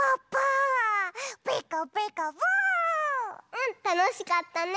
うんたのしかったね。